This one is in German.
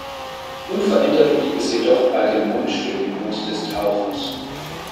Unverändert blieb es jedoch bei dem Mundstück im Mund des Tauchers.